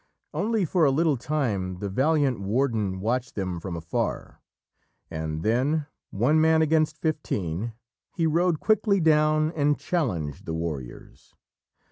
Only for a little time the valiant warden watched them from afar, and then, one man against fifteen, he rode quickly down and challenged the warriors.